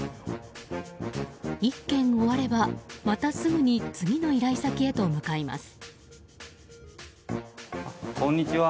１件終われば、またすぐに次の依頼先へと向かいます。